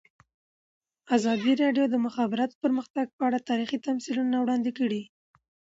ازادي راډیو د د مخابراتو پرمختګ په اړه تاریخي تمثیلونه وړاندې کړي.